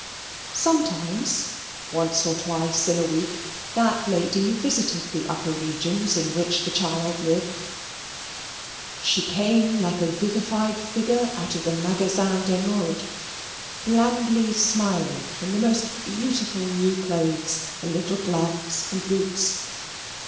Sometimes once or twice in a week that lady visited the upper regions in which the child lived. She came like a vivified figure out of the Magasin des Modes blandly smiling in the most beautiful new clothes and little gloves and boots.